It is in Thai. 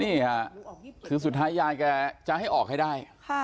นี่ค่ะคือสุดท้ายยายแกจะให้ออกให้ได้